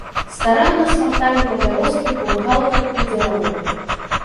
Старанна смакталі папяроскі бухгалтар і дзелавод.